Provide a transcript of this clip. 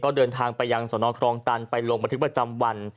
ก็เดินทางไปยังสวัสดีครองตันไปลงบทพจำวัน